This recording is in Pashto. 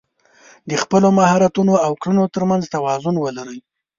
د خپلو مهارتونو او کړنو تر منځ توازن ولرئ.